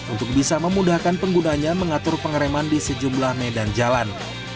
untuk bisa memudahkan penggunanya mengatur pengereman di sejumlah medan jalan